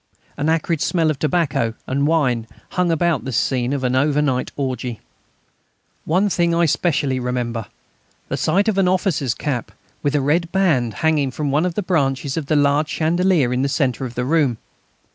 An acrid smell of tobacco and wine hung about this scene of an overnight orgy. One thing I specially remember: the sight of an officer's cap, with a red band, hanging from one of the branches of the large chandelier in the centre of the room.